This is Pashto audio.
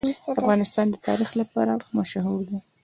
افغانستان د تاریخ لپاره مشهور دی.